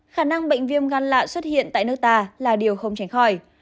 khả năng bệnh viêm gan lạ xuất hiện tại nước ta là điều không tránh khỏi